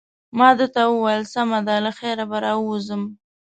ما ده ته وویل: سمه ده، له خیره به راووځم.